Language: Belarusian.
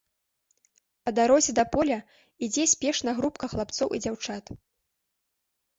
Па дарозе да поля ідзе спешна групка хлапцоў і дзяўчат.